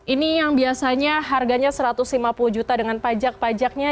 ini yang biasanya harganya satu ratus lima puluh juta dengan pajak pajaknya